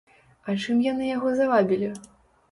А чым яны яго завабілі?